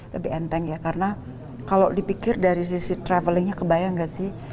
lebih enteng ya karena kalau dipikir dari sisi travelingnya kebayang gak sih